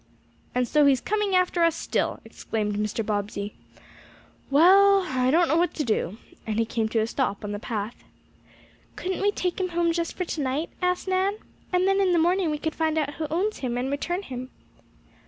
"And so he's coming after us still!" exclaimed Mr. Bobbsey. "Well, well, I don't know what to do," and he came to a stop on the path. "Couldn't we take him home just for tonight?" asked Nan, "and then in the morning we could find out who owns him and return him."